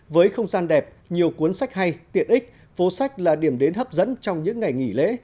với không gian đẹp nhiều cuốn sách hay tiện ích phố sách là điểm đến hấp dẫn trong những ngày nghỉ lễ